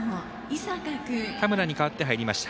田村に代わって入りました。